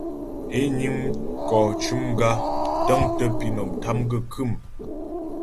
É niŋ mkɔ cʉm gǎ, dəŋtə pǐnɔm, tâm gaə́ khə̌mmm.